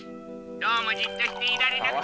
どうもじっとしていられなくて。